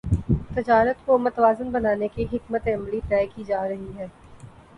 تجارت کو متوازن بنانے کی حکمت عملی طے کی جارہی ہے